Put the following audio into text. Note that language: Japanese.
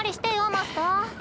マスター。